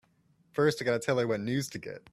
First I gotta tell her what news to get!